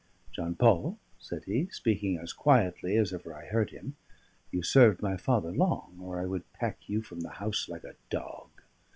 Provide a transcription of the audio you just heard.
"John Paul," said he, speaking as quietly as ever I heard him, "you served my father long, or I would pack you from the house like a dog.